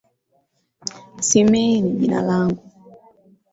Simiyi ni jina langu